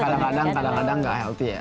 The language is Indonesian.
kadang kadang nggak healthy ya